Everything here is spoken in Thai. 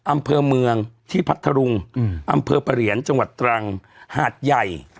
อำเภอเมืองที่พัทธรุงอำเภอประเหรียญจังหวัดตรังหาดใหญ่